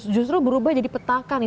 justru berubah jadi petakan nih